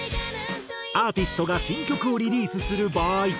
アーティストが新曲をリリースする場合